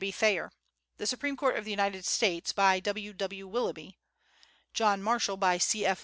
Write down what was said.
B. Thayer; The Supreme Court of the United States, by W.W. Willoughby; John Marshall, by C.F.